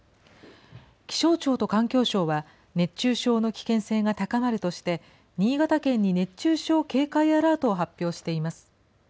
気象庁と環境省は、熱中症の危険性が高まるとして、新潟県に熱中症警戒アラートを発表しています。